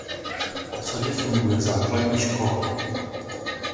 V osadě funguje základní škola.